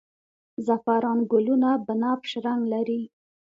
د زعفران ګلونه بنفش رنګ لري